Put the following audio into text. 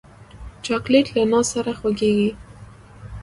چاکلېټ له ناز سره خورېږي.